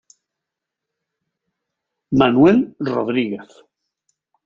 Manuel Rodríguez.